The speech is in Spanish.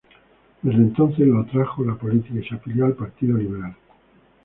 Desde entonces lo atrajo la político y se afilió al Partido Liberal.